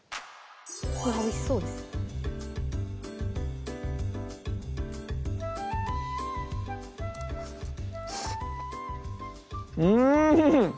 おいしそうですうん！